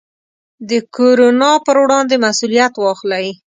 د کورونا پر وړاندې مسوولیت واخلئ.